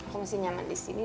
aku masih nyaman disini